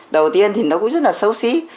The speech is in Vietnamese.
đầu tiên thì nó cũng rất là xấu xí